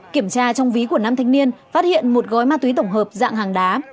kiểm tra trong ví của nam thanh niên phát hiện một gói ma túy tổng hợp dạng hàng đá